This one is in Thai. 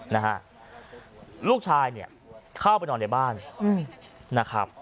นะฮะลูกชายเนี่ยเข้าไปนอนในบ้านอืมนะครับ